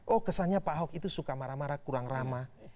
oh kesannya pak ahok itu suka marah marah kurang ramah